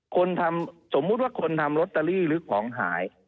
คนทำสมมุติว่าคนทำลอตเตอรี่หรือของหาย